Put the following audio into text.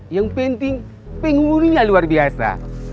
yang penting pengurunya luar biasa